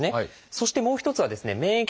そしてもう一つはですね免疫